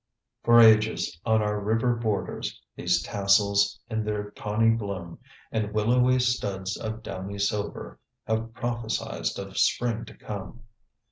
_"For ages, on our river borders, These tassels in their tawny bloom And willowy studs of downy silver Have prophesied of spring to come.